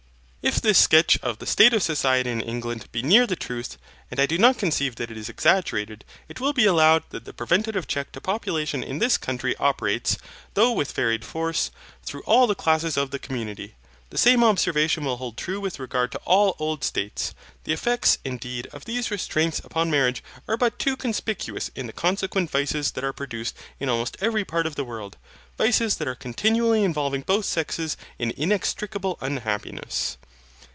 If this sketch of the state of society in England be near the truth, and I do not conceive that it is exaggerated, it will be allowed that the preventive check to population in this country operates, though with varied force, through all the classes of the community. The same observation will hold true with regard to all old states. The effects, indeed, of these restraints upon marriage are but too conspicuous in the consequent vices that are produced in almost every part of the world, vices that are continually involving both sexes in inextricable unhappiness.